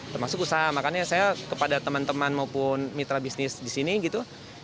termasuk usaha makanya saya kepada teman teman maupun mitra bisnis di sini gitu